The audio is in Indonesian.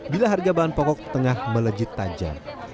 bila harga bahan pokok tengah melejit tajam